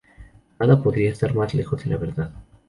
Nada podría estar más lejos de la verdad.